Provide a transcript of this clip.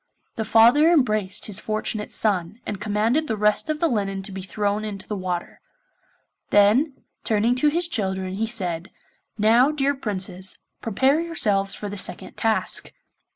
The father embraced his fortunate son, and commanded the rest of the linen to be thrown into the water; then, turning to his children he said, 'Now, dear Princes, prepare yourselves for the second task.